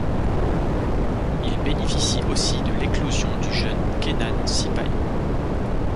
Il bénéficie aussi de l'éclosion du jeune Kenan Sipahi.